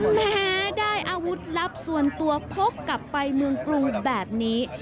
แม้ได้อาวุธลับส่วนตัวพกกลับไปเมืองกรุงแบบนี้